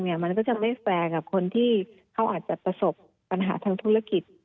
มันก็จะไม่แฟร์กับคนที่เขาอาจจะประสบปัญหาทางธุรกิจ